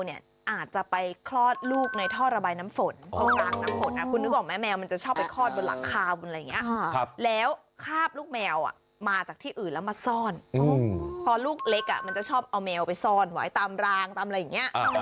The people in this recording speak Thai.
แม่แนวเนี่ยอาจจะไปคลอดลูกในท่อระไบน้ำฝน